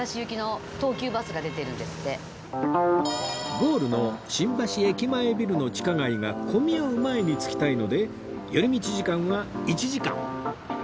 ゴールの新橋駅前ビルの地下街が混み合う前に着きたいので寄り道時間は１時間